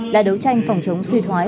là đấu tranh phòng chống suy thoái